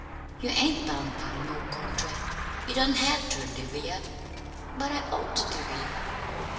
You ain't bound by no contract. You don't have ter divvy up." "But I ought to divvy up."